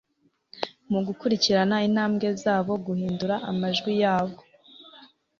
Mugukurikirana intambwe zabo guhindura amajwi yabo